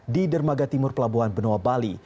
di dermaga timur pelabuhan benoa bali